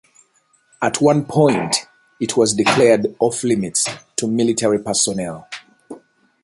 At one point, it was declared off-limits to military personnel.